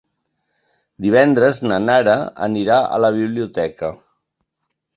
Divendres na Nara anirà a la biblioteca.